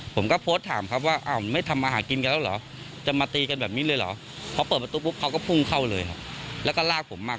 ผมก็โพสต์ถามครับว่าอ้าวไม่ทำอาหารกินแล้วเหรอ